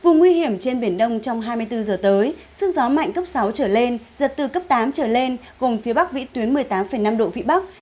vùng nguy hiểm trên biển đông trong hai mươi bốn giờ tới sức gió mạnh cấp sáu trở lên giật từ cấp tám trở lên gồm phía bắc vĩ tuyến một mươi tám năm độ vị bắc